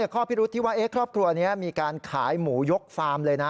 ข้อพิรุษที่ว่าครอบครัวนี้มีการขายหมูยกฟาร์มเลยนะ